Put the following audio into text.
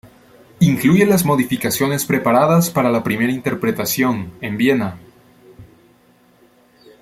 Incluye las modificaciones preparadas para la primera interpretación, en Viena.